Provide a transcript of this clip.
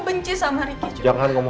pertama kali aku menanggung dia